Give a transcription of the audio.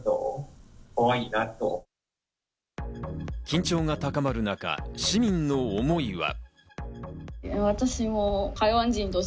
緊張が高まる中、市民の思いは。